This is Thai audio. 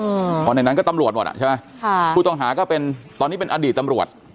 เพราะในนั้นก็ตำรวจหมดอ่ะใช่ไหมค่ะผู้ต้องหาก็เป็นตอนนี้เป็นอดีตตำรวจ